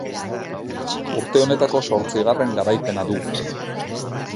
Urte honetako zortzigarren garaipena du.